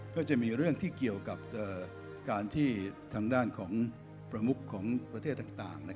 ก็จะมีเรื่องที่เกี่ยวกับการที่ทางด้านของประมุขของประเทศต่าง